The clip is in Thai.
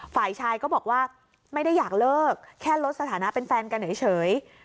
ฝ่ายชายก็บอกว่าไม่ได้อยากเลิกแค่ลดสถานะเป็นแฟนกันเฉย